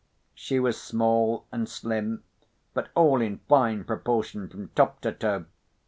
She was small and slim, but all in fine proportion from top to toe.